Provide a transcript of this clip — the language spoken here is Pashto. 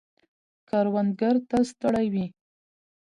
کروندگر تل ستړي وي.